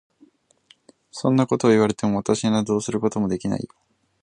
そんなことを言われても、私にはどうすることもできないよ。